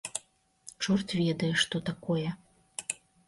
Чорт ведае, што такое!